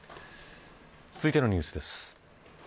続いてのニュースです。